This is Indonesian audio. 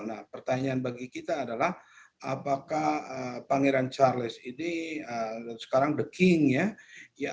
nah pertanyaan bagi kita adalah apakah pangeran charles ini sekarang the king ya